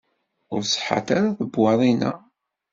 Ur ṣeḥḥant ara tebewwaḍin-a.